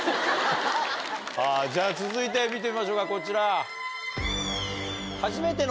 じゃ続いて見てみましょうかこちら。